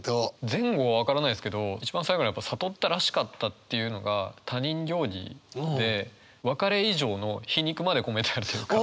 前後分からないですけど一番最後のやっぱ「悟ったらしかった」っていうのが他人行儀で別れ以上の皮肉まで込めてるというか。